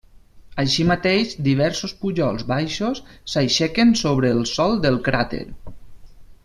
Així mateix, diversos pujols baixos s'aixequen sobre el sòl del cràter.